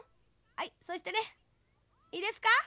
はいそしてねいいですか？